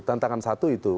tantangan satu itu